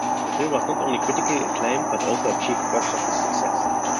The film was not only critically acclaimed but also achieved box office success.